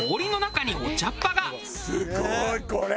「すごいこれ！